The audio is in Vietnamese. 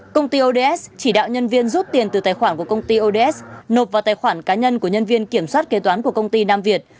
công ty ods chỉ đạo nhân viên rút tiền từ tài khoản của công ty ods nộp vào tài khoản cá nhân của nhân viên kiểm soát kế toán của công ty nam việt